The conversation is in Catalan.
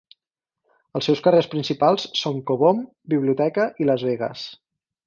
Els seus carrers principals són Cobom, Biblioteca i Las Vegas.